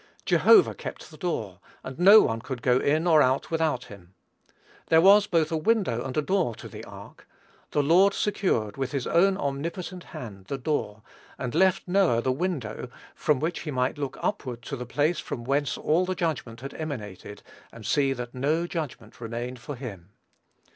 Jehovah kept the door, and no one could go in or out without him. There was both a window and a door to the ark. The Lord secured, with his own omnipotent hand, the door, and left Noah the window, from which he might look upward to the place from whence all the judgment had emanated, and see that no judgment remained for him.